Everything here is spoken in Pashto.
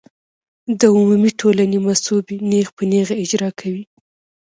د عمومي ټولنې مصوبې نېغ په نېغه اجرا کوي.